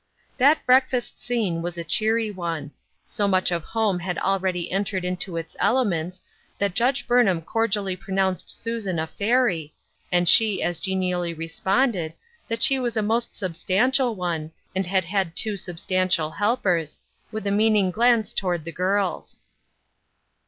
That breakfast scene was a cheery one. So much of home had already entered into its ele ments that Judge Burnham cordially pronounced Susan a fairy, and she as genially responded that she was a most substantial one, and had had two substantial helpers, with a meaning glance toward the girls.